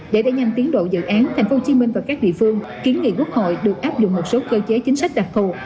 để đẩy nhanh tiến độ dự án tp hcm và các địa phương kiến nghị quốc hội được áp dụng một số cơ chế chính sách đặc thù